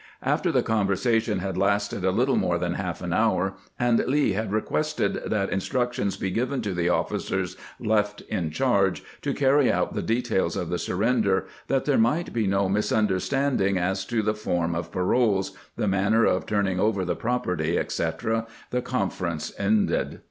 After the conversation had lasted a little more than half an hour, and Lee had requested that instructions be given to the officers left in charge to carry out the de tails of the surrender, that there might be no misunder standing as to the form of paroles, the manner of turning over the property, etc., the conference ended.